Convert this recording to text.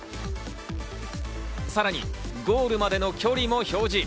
さらにゴールまでの距離も表示。